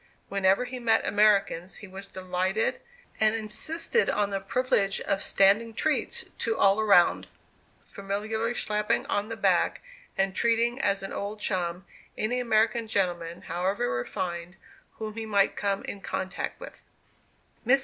Whenever he met Americans he was delighted, and insisted on the privilege of "standing treats" to all around, familiarly slapping on the back, and treating as an old chum, any American gentleman, however refined, whom he might come in contact with. Mrs.